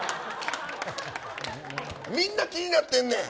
みんな気になってんねん。